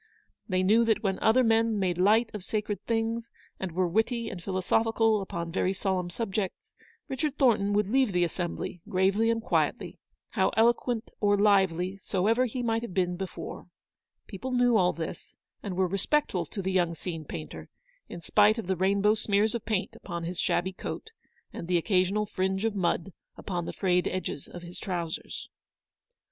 They knew that when other men made light of sacred things, and were witty and philosophical upon very solemn subjects, Richard Thornton would leave the assembly gravely and quietly, how eloquent or lively soever he might have been before. People knew THE BLACK BUILDING BY THE RIVER. 121 all this, and were respectful to the young scene painter, in spite of the rainbow smears of paint upon his shabby coat, and the occasional fringe of mud upon the frayed edges of his trousers.